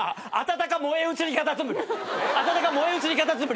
あたたか燃え移りカタツムリ。